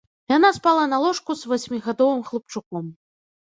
Яна спала на ложку з васьмігадовым хлапчуком.